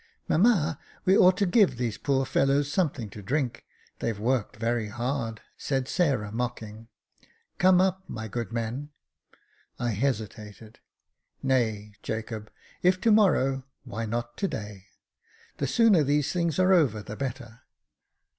*' Mamma, we ought to give these poor fellows some thing to drink ; they've worked very hard," said Sarah, mocking. " Come up, my good men." I hesitated. *' Nay, Jacob, if to morrow, why not to day ? The sooner these things are over the better."